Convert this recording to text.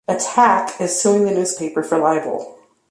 Attack is suing the newspaper for libel.